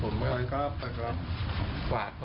ไปเลยน้องพ่อเรียก